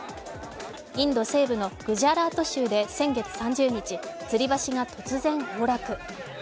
インド西部のグジャラート州で先月３０日、つり橋が突然、崩落。